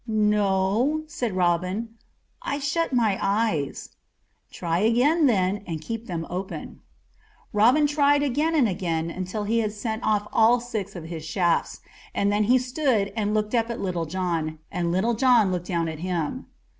"No," said Robin; "I shut my eyes." "Try again then, and keep them open." Robin tried and tried again till he had sent off all six of his shafts, and then he stood and looked up at Little John, and Little John looked down at him.